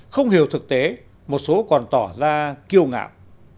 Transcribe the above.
không hiểu thực tế một số còn tỏ ra kiêu ngạo